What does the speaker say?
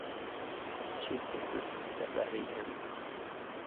چیت پێ گوت دەربارەی ئێمە؟